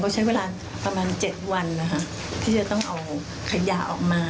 ใช้เวลาประมาณ๗วันนะคะที่จะต้องเอาขยะออกมา